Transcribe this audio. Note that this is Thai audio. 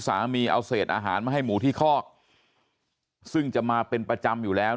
เอาเศษอาหารมาให้หมูที่คอกซึ่งจะมาเป็นประจำอยู่แล้ว